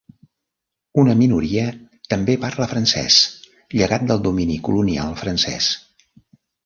Una minoria també parla francès, llegat del domini colonial francès.